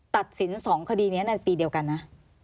ตัดสิน๒คดีนี้ในปีเดียวกันนะ